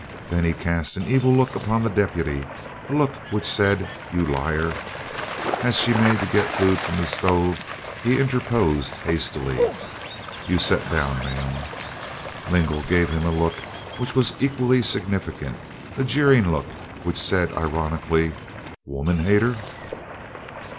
Then he cast an evil look upon the deputy, a look which said, "You liar!" As she made to get the food from the stove he interposed hastily: "You set down, Ma'am." Lingle gave him a look which was equally significant, a jeering look which said ironically, "Woman hater!"